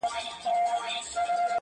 o لمر چي د ميني زوال ووهي ويده سمه زه.